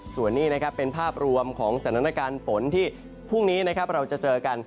ส่วนนี้เป็นภาพรวมของสถานการณ์ฝนที่พรุ่งนี้เราจะเจอกัน